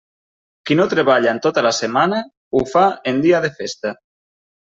Qui no treballa en tota la setmana, ho fa en dia de festa.